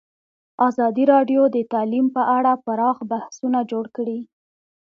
ازادي راډیو د تعلیم په اړه پراخ بحثونه جوړ کړي.